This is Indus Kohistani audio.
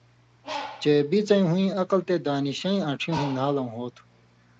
چے بِڅَیں ہُویں عقل تے دانشَیں آنڇھیُوں ہِن نھالؤں ہو تُھو۔